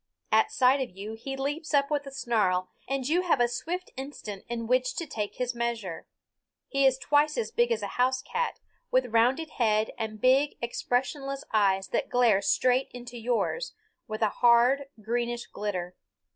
At sight of you he leaps up with a snarl, and you have a swift instant in which to take his measure. He is twice as big as a house cat, with round head and big expressionless eyes that glare straight into yours with a hard, greenish glitter.